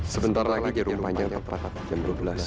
sebentar lagi jalan panjang terterakat jam dua belas